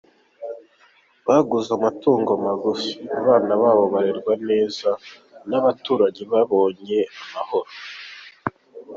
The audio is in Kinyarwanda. Baguze amatungo magufi, abana babo barerwa neza, n’abaturanyi babonye amahoro.